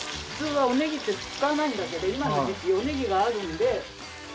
普通はおねぎって使わないんだけど今の時期おねぎがあるんで。